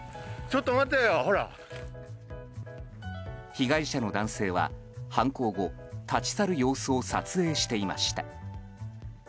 被害者の男性は犯行後、立ち去る様子を撮影していました。